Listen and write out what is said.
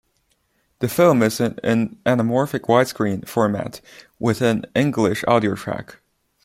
The film is in anamorphic widescreen format with an English audiotrack.